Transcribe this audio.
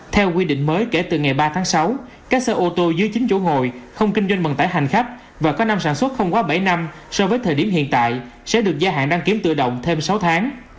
theo quy định mới kể từ ngày ba tháng sáu các xe ô tô dưới chín chỗ ngồi không kinh doanh vận tải hành khách và có năm sản xuất không quá bảy năm so với thời điểm hiện tại sẽ được gia hạn đăng kiểm tự động thêm sáu tháng